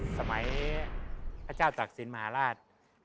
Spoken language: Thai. สมัยพระเจ้าตักศิลป์มหาราช